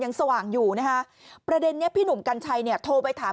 สว่างอยู่นะคะประเด็นนี้พี่หนุ่มกัญชัยเนี่ยโทรไปถาม